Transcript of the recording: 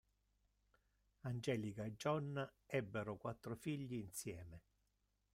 Angelica e John ebbero quattro figli insieme.